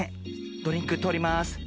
ドリンクとおります。